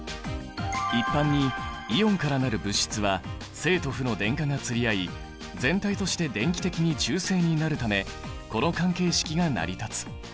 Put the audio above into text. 一般にイオンから成る物質は正と負の電荷が釣り合い全体として電気的に中性になるためこの関係式が成り立つ。